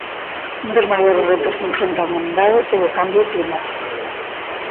Un dos maiores retos que enfronta a humanidade é o cambio climático.